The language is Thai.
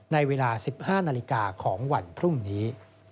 ในเวลา๑๕นาฬิกาของวันพรุ่งนี้